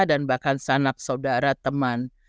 dan bahkan anak saudara teman